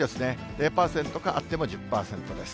０％かあっても１０％です。